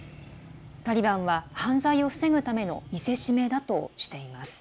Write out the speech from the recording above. タリバンは犯罪を防ぐための見せしめだとしています。